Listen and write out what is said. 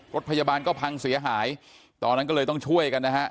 รถพยาบาลก็พังเสียหายตอนนั้นก็เลยต้องช่วยกันนะฮะ